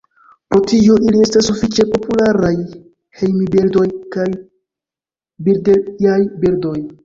Pro tio ili estas sufiĉe popularaj hejmbirdoj kaj birdejaj birdoj.